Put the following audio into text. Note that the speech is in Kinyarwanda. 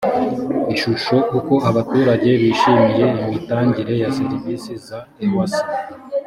ishusho uko abaturage bishimiye imitangire ya serivisi za ewsa